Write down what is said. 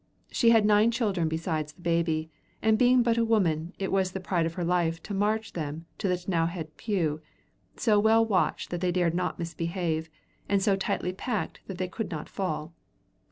She had nine children besides the baby, and being but a woman, it was the pride of her life to march them into the T'nowhead pew, so well watched that they dared not disbehave, and so tightly packed that they could not fall.